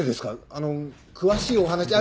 あの詳しいお話。